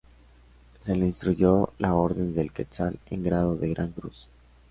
Se le instruyó la Orden del Quetzal en grado de Gran Cruz.